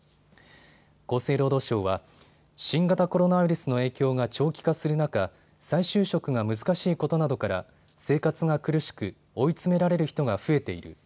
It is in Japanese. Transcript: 厚生労働省は新型コロナウイルスの影響が長期化する中、再就職が難しいことなどから生活が苦しく追い詰められる人が増えている。